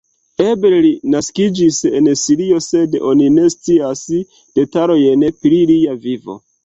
Eble li naskiĝis en Sirio, sed oni ne scias detalojn pri lia vivo.